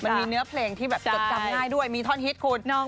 มีเนื้อเพลงที่เกิดจำได้ด้วยมีท่อนฮิตคุณ